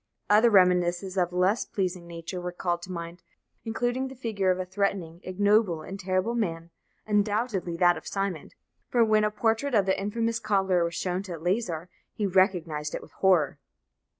Other reminiscences of a less pleasing nature were called to mind, including the figure of a threatening, ignoble, and terrible man, undoubtedly that of Simon; for when a portrait of the infamous cobbler was shown to Eleazar, he recognised it with horror.